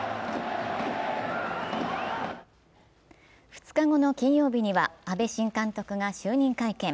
２日後の金曜日には阿部新監督が就任会見。